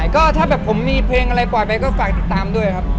ก็ถ้าแบบผมมีเพลงอะไรปล่อยไปก็ฝากติดตามด้วยครับ